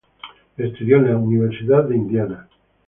Estudió en la Universidad de Indiana.